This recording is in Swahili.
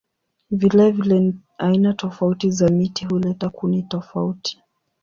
Vilevile aina tofauti za miti huleta kuni tofauti.